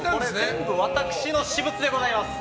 全部、私の私物でございます！